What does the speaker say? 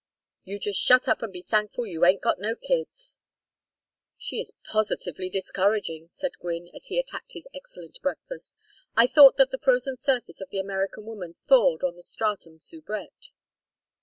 You just shut up and be thankful you ain't got no kids." "She is positively discouraging," said Gwynne, as he attacked his excellent breakfast. "I thought that the frozen surface of the American woman thawed on the stratum soubrette."